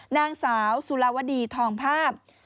นางสาวสุลาวดีทองภาพ